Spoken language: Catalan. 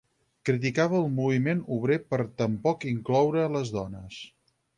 Criticava el moviment obrer per tampoc incloure a les dones.